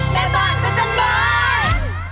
แม่บ้านพระจันทร์บ้าน